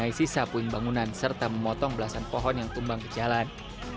menai sisa puing bangunan serta memotong belasan pohon yang tumbang ke jalan